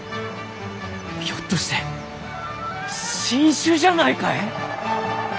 ひょっとして新種じゃないかえ？